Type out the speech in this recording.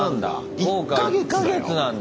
効果１か月なんだ。